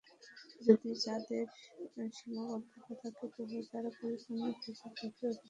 যদি তাদের সীমাবদ্ধতা থাকে তবুও তারা পরিপূর্ণ ফেসবুক ব্যবহারের অভিজ্ঞতা নিতে পারে।